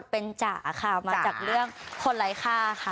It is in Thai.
เป็นจ๋าค่ะมาจากเรื่องคนไร้ค่าค่ะ